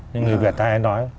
như người việt ta hay nói